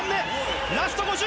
ラスト５０！